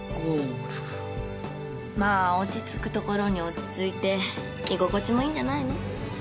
まあ落ち着くところに落ち着いて居心地もいいんじゃないの？